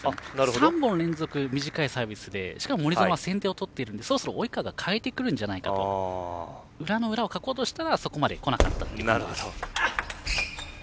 ３本連続、短いサービスでしかも、森薗は先手を取っているので及川が変えてくるんじゃないかと裏の裏をかこうとしたらそこまでこなかったということです。